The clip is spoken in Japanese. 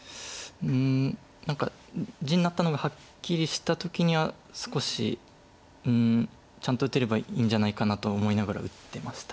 何か地になったのがはっきりした時には少しちゃんと打てればいいんじゃないかなと思いながら打ってました。